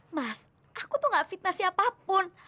mas aku tuh gak fitnah siapapun